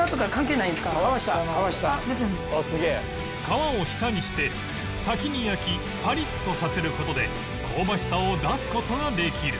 皮を下にして先に焼きパリッとさせる事で香ばしさを出す事ができる